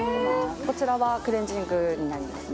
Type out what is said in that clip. こちらはクレンジングになりますね